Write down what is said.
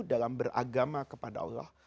dalam beragama kepada allah